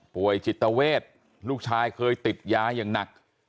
ป่วยจิตเวทลูกชายเคยติดยาอย่างหนัก